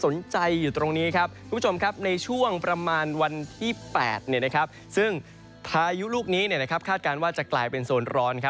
ในช่วงประมาณวันที่๘ซึ่งพายุลูกนี้คาดการณ์ว่าจะกลายเป็นโซนร้อน